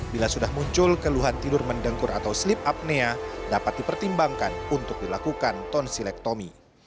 bila sudah muncul keluhan tidur mendengkur atau sleep apnea dapat dipertimbangkan untuk dilakukan ton silektomi